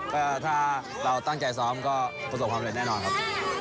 ก็ถ้าเราตั้งใจซ้อมก็ประสบความเร็จแน่นอนครับ